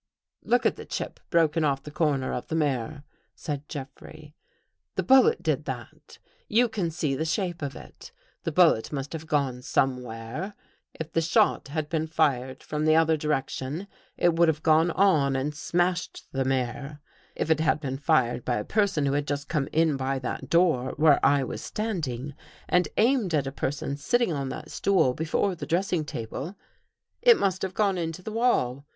"" Look at the chip broken off the corner of the mirror," said Jeffrey. " The bullet did that. You can see the shape of it. The bullet must have gone somewhere. If the shot had been fired from the other direction, it would have gone on and smashed the mirror. If it had been fired by a person who had just come in by that door where I was standing, and aimed at a person sitting on that stool before the dressing table, it must have gone on into the wall.